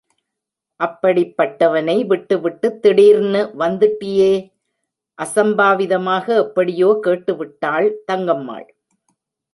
அப்படிப்பட்டவனை விட்டுவிட்டுத் திடீர்னு வந்துட்டயே? அசம்பாவிதமாக எப்படியோ கேட்டுவிட்டாள் தங்கம்மாள்.